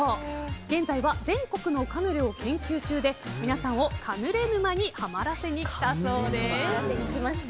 現在は全国のカヌレを研究中で皆さんをカヌレ沼にハマらせに来たそうです。